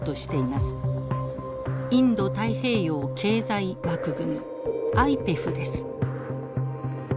インド太平洋経済枠組みＩＰＥＦです。